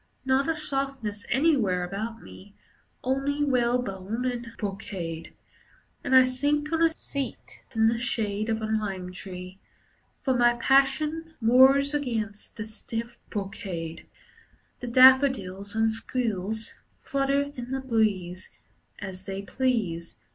Not a softness anywhere about me, Only whalebone and brocade. And I sink on a seat in the shade Of a lime tree. For my passion Wars against the stiff brocade. The daffodils and squills Flutter in the breeze As they please.